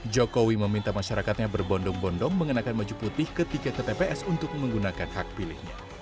jokowi meminta masyarakatnya berbondong bondong mengenakan baju putih ketika ke tps untuk menggunakan hak pilihnya